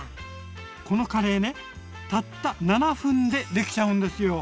このカレーねたった７分でできちゃうんですよ！